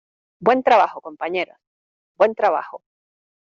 Buen trabajo, compañeros. Buen trabajo .